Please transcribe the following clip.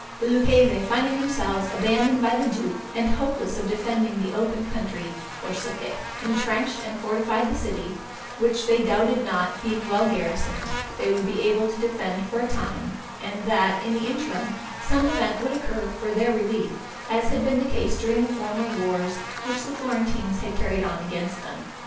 The Lucchese, finding themselves abandoned by the duke, and hopeless of defending the open country, forsook it; entrenched and fortified the city, which they doubted not, being well garrisoned, they would be able to defend for a time, and that, in the interim, some event would occur for their relief, as had been the case during the former wars which the Florentines had carried on against them.